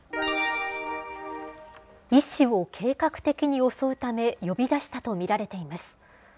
医師を計画的に襲うため、呼び出したと見られています。